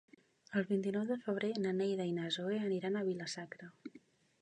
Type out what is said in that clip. El vint-i-nou de febrer na Neida i na Zoè aniran a Vila-sacra.